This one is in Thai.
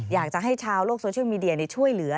อยากจะให้ชาวโลกโซเชียลมีเดียช่วยเหลือ